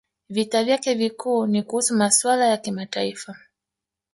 Vita vyake vikuu ni kuhusu masuala ya kimataifa